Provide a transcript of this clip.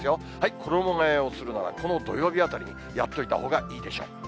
衣がえをするなら、この土曜日あたりにやっといたほうがいいでしょう。